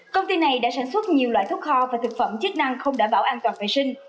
công ty này đã sản xuất nhiều loại thuốc kho và thực phẩm chức năng không đảm bảo an toàn vệ sinh